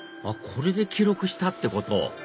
これで記録したってこと！